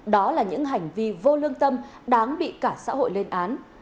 đó là những hành vi vô lương tâm đáng bị cả xã hội lên án